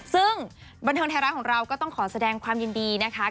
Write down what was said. ซึ่งบันเทิงไทยรัฐของเราก็ต้องขอแสดงความยินดีนะคะ